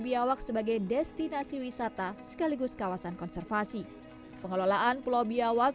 biawak sebagai destinasi wisata sekaligus kawasan konservasi pengelolaan pulau biawak